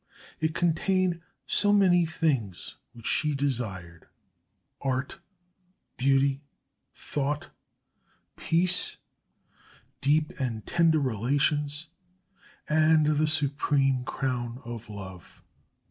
It contained so many things which she desired art, beauty, thought, peace, deep and tender relations, and the supreme crown of love.